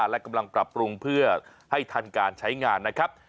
และกำลังปรับปรุงเพื่อให้ทันการใช้งานนะครับ